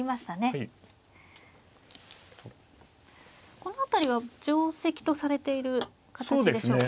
この辺りは定跡とされている形でしょうか。